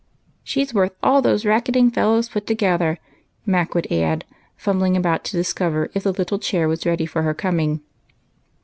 " She's worth all those racketing fellows put to gether," Mac would add, fumbling about to discover if the little chair was ready for her coming.